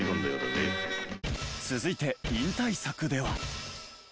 続いて引退作では。